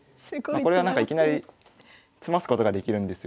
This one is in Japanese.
まあこれはなんかいきなり詰ますことができるんですよ。